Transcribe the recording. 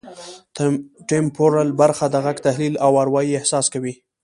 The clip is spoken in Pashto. ټمپورل برخه د غږ تحلیل او اروايي احساس کوي